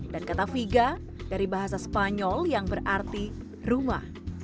dan kata figa dari bahasa spanyol yang berarti rumah